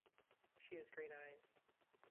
She has green eyes.